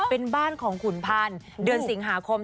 เป็นบ้านของขุนพันธ์เดือนสิงหาคม